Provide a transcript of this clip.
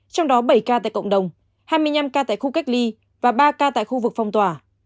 trong đó bảy ca tại cộng đồng hai mươi năm ca tại khu cách ly và ba ca tại khu vực phong tỏa